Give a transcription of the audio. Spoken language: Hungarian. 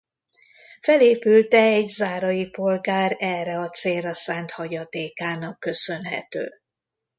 Felépülte egy zárai polgár erre a célra szánt hagyatékának köszönhető.